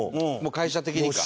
会社的にか。